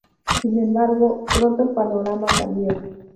Sin embargo, pronto el panorama cambió.